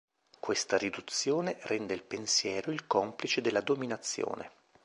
Questa riduzione rende il pensiero il complice della dominazione.